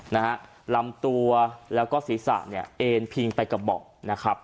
นะฮะลำตัวแล้วก็ศีรษะเนี่ยเอ็นพิงไปกระเบาะนะครับ